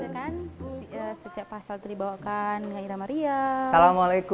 bisa kan setiap pasal teribawakan dengan iram maria